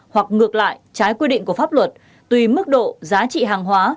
hoặc ngược lại trái quy định của pháp luật tùy mức độ giá trị hàng hóa